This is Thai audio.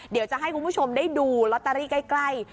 เดี๋ยวจะให้คุณผู้ชมได้ดูลอตเตอรี่ใกล้